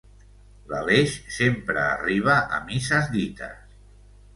L'Aleix sempre arriba a misses dites.